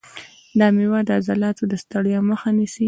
دا مېوه د عضلاتو د ستړیا مخه نیسي.